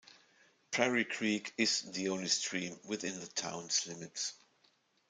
Prairie Creek is the only stream within the town's limits.